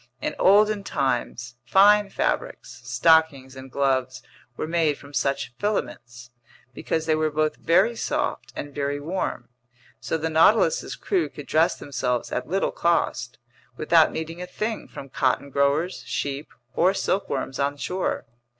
In olden times, fine fabrics, stockings, and gloves were made from such filaments, because they were both very soft and very warm. So the Nautilus's crew could dress themselves at little cost, without needing a thing from cotton growers, sheep, or silkworms on shore.